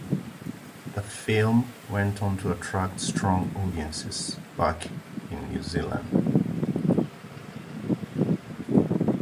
The film went on to attract strong audiences back in New Zealand.